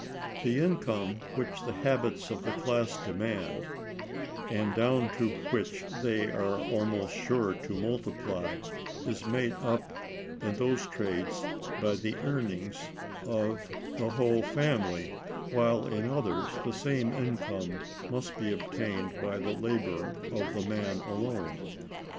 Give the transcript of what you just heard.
The income which the habits of the class demand, and down to which they are almost sure to multiply, is made up in those trades by the earnings of the whole family, while in others the same income must be obtained by the labor of the man alone.